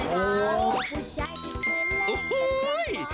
เพื่อนกลอนออบ